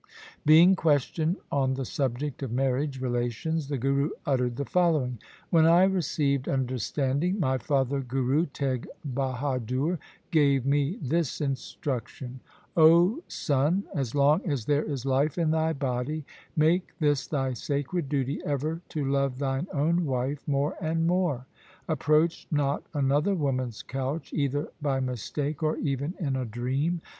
Being questioned on the subject of marriage relations, the Guru uttered the following :' When I received understanding, my father Guru Teg Bahadur gave me this instruction, " O son, as long as there is life in thy body, make this thy sacred duty ever to love thine own wife more and more. Approach not another woman's couch either by mistake or even in a dream.